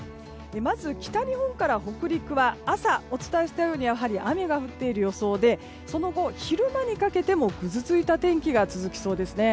まず北日本から北陸は朝、お伝えしたようにやはり雨が降っている予想でその後、昼間にかけてもぐずついた天気が続きそうです。